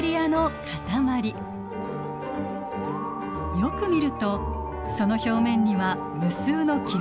よく見るとその表面には無数の気泡が付いています。